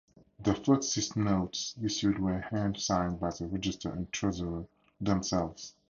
The first six notes issued were hand signed by the Register and Treasurer themselves.